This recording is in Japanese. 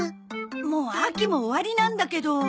もう秋も終わりなんだけど。